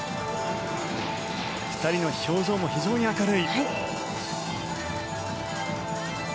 ２人の表情も非常に明るい。